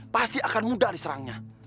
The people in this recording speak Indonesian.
pasti akan mudah diserangnya